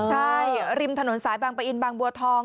ใช่ริมถนนสายบางปะอินบางบัวทอง